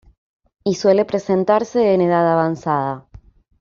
Y suele presentarse en edad avanzada.